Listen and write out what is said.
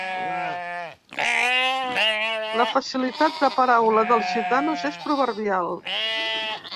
La facilitat de paraula dels gitanos és proverbial.